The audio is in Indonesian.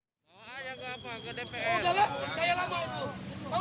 kau ayah ke apa ke dprd